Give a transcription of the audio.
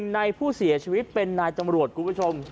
ในผู้เสียชีวิตเป็นนายตำรวจคุณผู้ชม